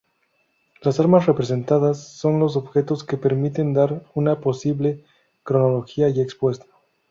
Las armas representadas son los objetos que permiten dar una posible cronología ya expuesta.